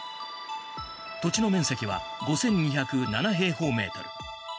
土地の面積は５２０７平方メートル。